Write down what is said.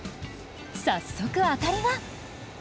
早速当たりが！